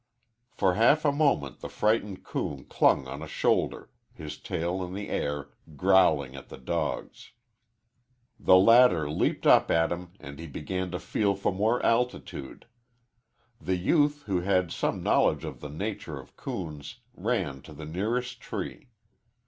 For half a moment the frightened coon clung on a shoulder, his tail in the air, growling at the dogs. The latter leaped up at him, and he began to feel for more altitude. The youth, who had some knowledge of the nature of coons, ran to the nearest tree.